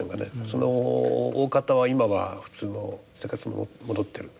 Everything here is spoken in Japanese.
そのおおかたは今は普通の生活に戻ってる。